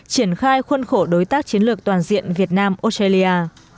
triển khai khuân khổ đối tác chiến lược toàn diện việt nam australia